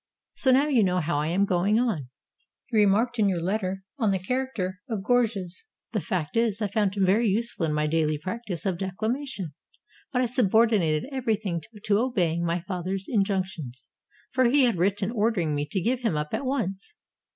So now you know how I am going on. You remark in your letter on the character of Gor gias. The fact is, I found him very useful in my daily practice of declamation; but I subordinated everything to obeying my father's injunctions, for he had written ordering me to give him up at once.